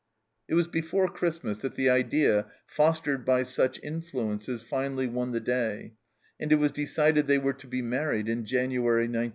It was before Christmas that the idea, fostered by such influences, finally won the day, and it was decided they were to be married in January, 1916.